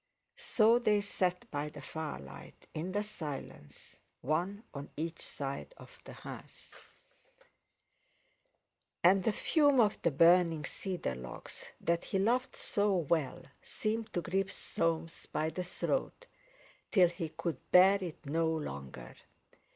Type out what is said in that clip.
So they sat, by the firelight, in the silence, one on each side of the hearth. And the fume of the burning cedar logs, that he loved so well, seemed to grip Soames by the throat till he could bear it no longer.